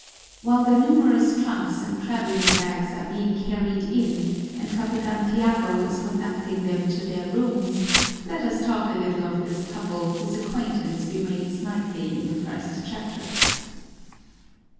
While their numerous trunks and traveling bags are being carried in and Capitan Tiago is conducting them to their rooms, let us talk a little of this couple whose acquaintance we made slightly in the first chapters.